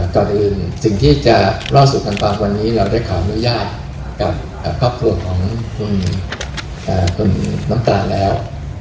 ก่อนอื่นสิ่งที่จะเล่าสู่กันฟังวันนี้เราได้ขออนุญาตกับครอบครัวของคุณน้ำตาแล้ว